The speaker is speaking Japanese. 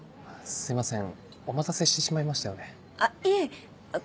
すいません。